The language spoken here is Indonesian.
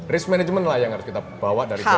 risk management lah yang harus kita bawa dari jauh